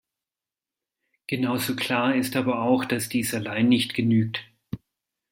Genauso klar ist aber auch, dass dies allein nicht genügt.